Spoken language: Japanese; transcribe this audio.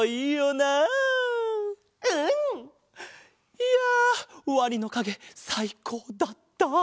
いやワニのかげさいこうだった。